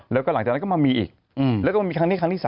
แล้วก็หลังจากนั้นก็มามีอีกแล้วก็มีครั้งนี้ครั้งที่๓